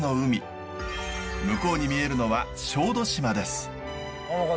向こうに見えるのは小豆島です。